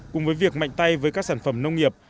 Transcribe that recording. cùng với việc mạnh tay với các sản phẩm nông nghiệp